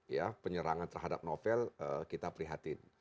ya penyerangan terhadap novel kita prihatin